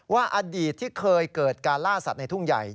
อดีตที่เคยเกิดการล่าสัตว์ในทุ่งใหญ่